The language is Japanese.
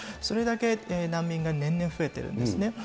それだけ難民が年々増えてるんですね。